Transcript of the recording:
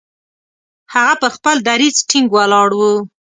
هغه پر خپل دریځ ټینګ ولاړ وو.